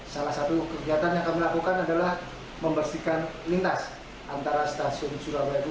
salah satu kegiatan yang kami lakukan adalah membersihkan